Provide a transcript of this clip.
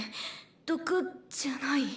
毒じゃない？